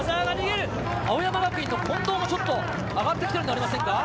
青山学院の近藤も、ちょっと上がってきているんではありませんか？